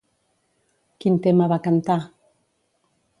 Quin tema va cantar?